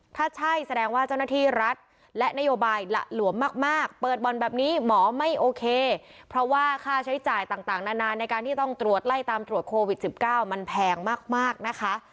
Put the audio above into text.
ถ้าใช่แสดงว่าเจ้าหน้าที่รัฐและนโยบายหละหลวมมากเปิดบ่อนแบบนี้หมอไม่โอเคเพราะว่าค่าใช้จ่ายต่างนานในการที่ต้องตรวจไล่ตามตรวจโควิด๑๙มันแพงมากนะคะ